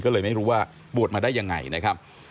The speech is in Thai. ก็เลยไม่รู้ว่าบวชมาได้ยังไงนะครับ